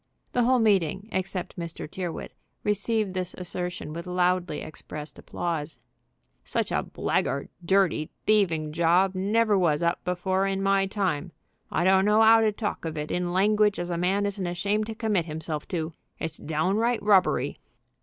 The whole meeting, except Mr. Tyrrwhit, received this assertion with loudly expressed applause. "Such a blackguard, dirty, thieving job never was up before in my time. I don't know 'ow to talk of it in language as a man isn't ashamed to commit himself to. It's downright robbery."